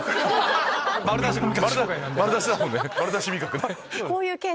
丸出しだもんね。